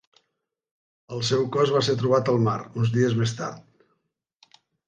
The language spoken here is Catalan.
El seu cos va ser trobat al mar, uns dies més tard.